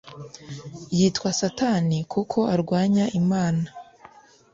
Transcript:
Yitwa Satani kuko arwanya imana